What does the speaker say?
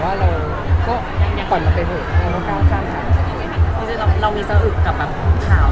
ว่าเราก็ก่อนมันไปเถอะอยากเลื่อนกล้าวให้กล้าว